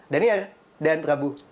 daniel dan prabu